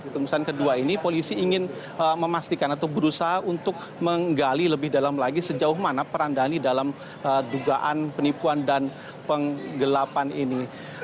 pemeriksaan kedua ini polisi ingin memastikan atau berusaha untuk menggali lebih dalam lagi sejauh mana peran dhani dalam dugaan penipuan dan penggelapan ini